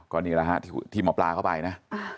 ก่อนนี้แล้วทีมอบลาก็ไปนะ